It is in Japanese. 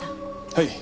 はい。